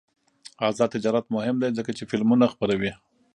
آزاد تجارت مهم دی ځکه چې فلمونه خپروي.